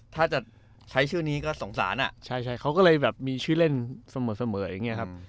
ถ้าจะใช้ชื่อนี้ก็สงสารอ่ะใช่เขาก็เลยแบบมีชื่อเล่นเสมออย่างนี้ครับ